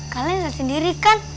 kalian lihat sendiri kan